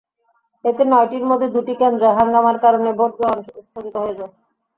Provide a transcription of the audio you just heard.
এতে নয়টির মধ্যে দুটি কেন্দ্রে হাঙ্গামার কারণে ভোটগ্রহণ স্থগিত হয়ে যায়।